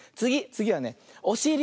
つぎはねおしり。